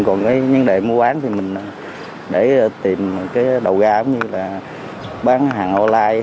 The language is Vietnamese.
còn cái vấn đề mua bán thì mình để tìm cái đầu gà giống như là bán hàng online